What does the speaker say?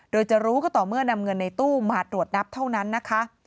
โดยจะรู้ก็ต่อเมื่อนำเงินในตู้มาตรวจนับเท่านั้นนะคะ